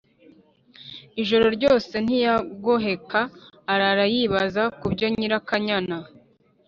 Ijoro ryose ntiyagoheka arara yibaza ku byo Nyirakanyana